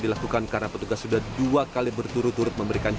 inilah tindakan tegas yang dilakukan aparat satpol pp kota semarang